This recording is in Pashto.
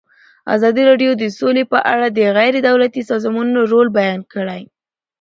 ازادي راډیو د سوله په اړه د غیر دولتي سازمانونو رول بیان کړی.